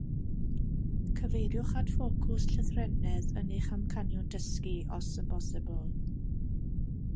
Cyfeiriwch at ffocws llythrennedd yn eich amcanion dysgu os yn bosibl